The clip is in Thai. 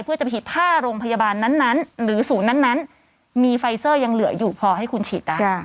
เพื่อจะไปฉีดถ้าโรงพยาบาลนั้นหรือศูนย์นั้นมีไฟเซอร์ยังเหลืออยู่พอให้คุณฉีดได้